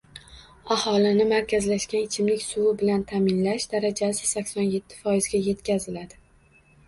Aholini markazlashgan ichimlik suvi bilan ta’minlash darajasi sakson yetti foizga yetkaziladi.